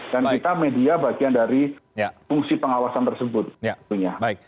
dan kita media bagian dari fungsi pengawasan tersebut